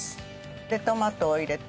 トマトを入れる。